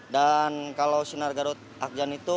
dan kalau sinar garut akjan itu